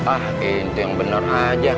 ah itu yang benar aja